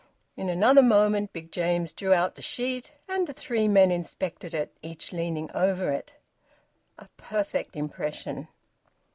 In another moment Big James drew out the sheet, and the three men inspected it, each leaning over it. A perfect impression!